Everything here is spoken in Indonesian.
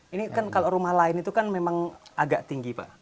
ini kan kalau rumah lain itu kan memang agak tinggi pak